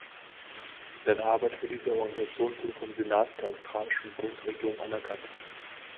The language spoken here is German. Seine Arbeit für diese Organisation wurde vom Senat der australischen Bundesregierung anerkannt.